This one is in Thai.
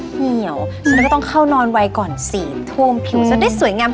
เหี่ยวฉันมันต้องเข้านอนไว้ก่อนสี่ทุ่มพิวที่สวยงาม